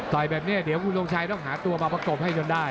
แบบนี้เดี๋ยวคุณทรงชัยต้องหาตัวมาประกบให้จนได้